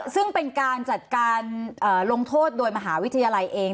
ซึ่งเป็นการจัดการลงโทษโดยมหาวิทยาลัยเอง